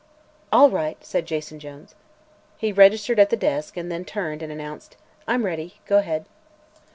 "All right," said Jason Jones. He registered at the desk and then turned and announced: "I'm ready. Go ahead."